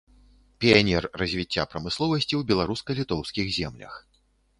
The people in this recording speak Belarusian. Піянер развіцця прамысловасці ў беларуска-літоўскіх землях.